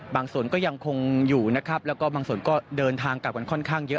ส่วนก็ยังคงอยู่นะครับแล้วก็บางส่วนก็เดินทางกลับกันค่อนข้างเยอะ